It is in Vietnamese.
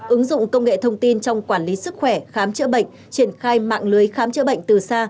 ứng dụng công nghệ thông tin trong quản lý sức khỏe khám chữa bệnh triển khai mạng lưới khám chữa bệnh từ xa